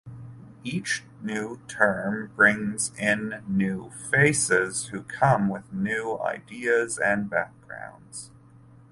Each new term brings in new faces, who come with new ideas and backgrounds.